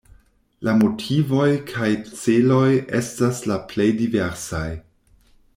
La motivoj kaj celoj estas la plej diversaj.